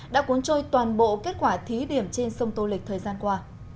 đã cuốn trôi toàn bộ kết quả thí điểm trên sông tô lịch thời gian qua